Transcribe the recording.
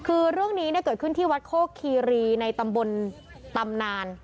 คือเรื่องนี้เกิดขึ้นที่วัดโคกคีรีในตำบลตำนาน